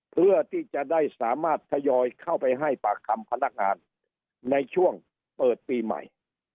เพื่อที่จะได้สามารถทยอยเข้าไปให้ปากคำพนักงานในช่วงเปิดปีใหม่